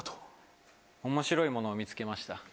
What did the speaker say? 面白いものを見つけました。